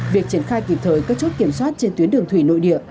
việc triển khai kịp thời các chốt kiểm soát trên tuyến đường thủy nội địa